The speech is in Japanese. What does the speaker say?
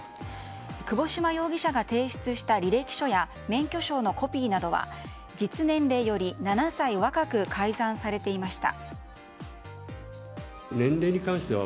窪島容疑者が提出した履歴書や免許証のコピーなどは実年齢より７歳若く改ざんされていました。